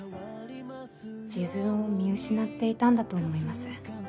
自分を見失っていたんだと思います。